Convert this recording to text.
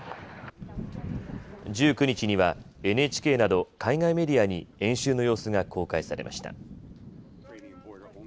１９日には、ＮＨＫなど海外メディアに演習の様子が公開されました。